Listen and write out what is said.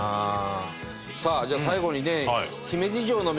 さあじゃあ最後にね。